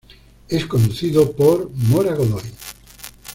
Es conducido por: Mora Godoy.